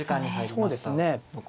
そうですね。